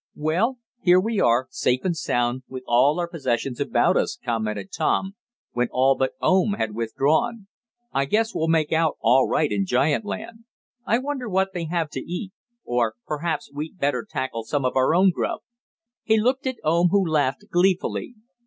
"Well, here we are, safe and sound, with all our possessions about us," commented Tom, when all but Oom had withdrawn. "I guess we'll make out all right in giant land. I wonder what they have to eat? Or perhaps we'd better tackle some of our own grub." He looked at Oom, who laughed gleefully.